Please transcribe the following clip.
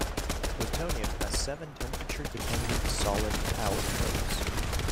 Plutonium has seven temperature-dependent solid allotropes.